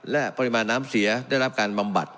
และปริมาณน้ำเสียได้รับการบำบัด